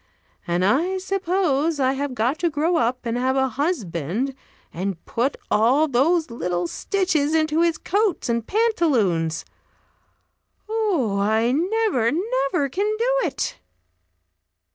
And I suppose I have got to grow up and have a husband, and put all those little stitches into his coats and pantaloons. Oh, I never, never can do it!"